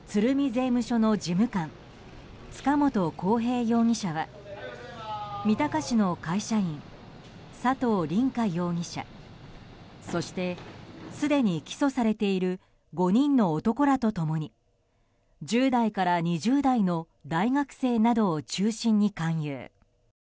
税務署の事務官塚本晃平容疑者は三鷹市の会社員佐藤凜果容疑者そして、すでに起訴されている５人の男らと共に１０代から２０代の大学生などを中心に勧誘。